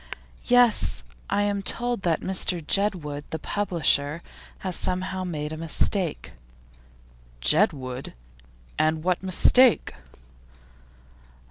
'Yes. I am told that Mr Jedwood, the publisher, has somehow made a mistake.' 'Jedwood? And what mistake?